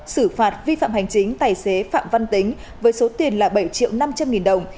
xử phạt vi phạm hành chính tài xế phạm văn tính với số tiền là bảy triệu năm trăm linh nghìn đồng